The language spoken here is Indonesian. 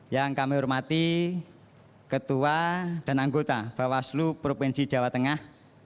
yang kami hormati ketua dan anggota bawaslu provinsi jawa tengah